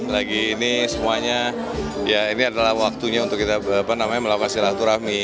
lagi ini semuanya ya ini adalah waktunya untuk kita melakukan silaturahmi